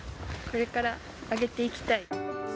これから上げていきたい。